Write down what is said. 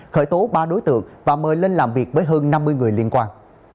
khởi tố ba đối tượng và mời lên làm việc với hơn năm mươi người liên quan